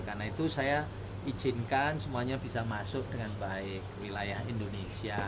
karena itu saya izinkan semuanya bisa masuk dengan baik ke wilayah indonesia